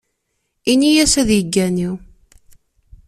Ini-as ad yeggani.